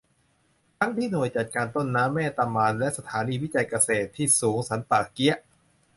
ทั้งที่หน่วยจัดการต้นน้ำแม่ตะมาน และสถานีวิจัยเกษตรที่สูงสันป่าเกี๊ยะ